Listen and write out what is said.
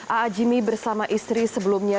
a a jimmy bersama istri sebelumnya